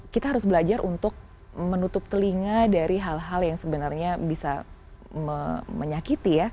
kita harus belajar untuk menutup telinga dari hal hal yang sebenarnya bisa menyakiti ya